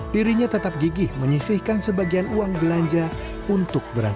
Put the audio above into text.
dirinya tetap gigih menyisihkan sebagai penjual kembang